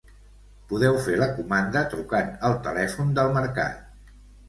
Podeu fer la comanda trucant al telèfon del mercat.